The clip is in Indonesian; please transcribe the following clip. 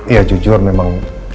ya jujur memang